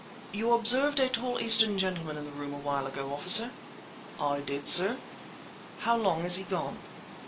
"You observed a tall Eastern gentleman in the room a while ago, officer?" "I did, sir." "How long is he gone?"